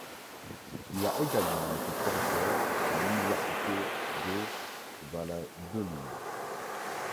Il a également été professeur à l'Université de Valladolid.